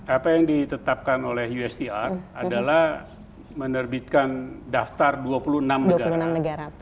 apa yang ditetapkan oleh usdr adalah menerbitkan daftar dua puluh enam negara